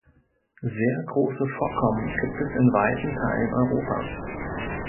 Sehr große Vorkommen gibt es in weiten Teilen Europas.